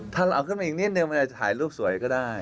ถ้าเราเอาขึ้นมาอีกนิดนึงมันอาจจะถ่ายรูปสวยก็ได้